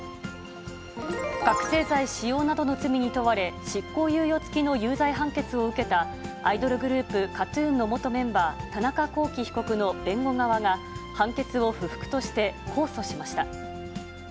覚醒剤使用などの罪に問われ、執行猶予付きの有罪判決を受けたアイドルグループ、ＫＡＴーＴＵＮの元メンバー、田中聖被告の弁護側が、判決を不服として控訴しました。